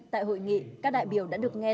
tại hội nghị các đại biểu đã được nghe